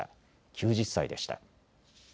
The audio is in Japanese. ９０歳でした。